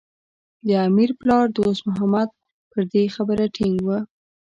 د امیر پلار دوست محمد پر دې خبره ټینګ و.